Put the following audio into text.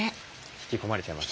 引き込まれちゃいますね。